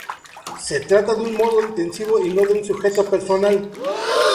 Se trata de un modo intensivo y no de un sujeto personal.